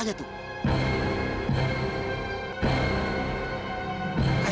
tuh lihat lukanya tuh